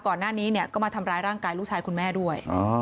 ก่อนหน้านี้เนี่ยก็มาทำร้ายร่างกายลูกชายคุณแม่ด้วย